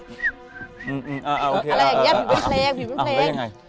อะไรอย่างงี้ผิวไม่เพลงผิวไม่เพลง